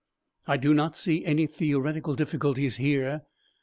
I do not see any theoretical difficulties here.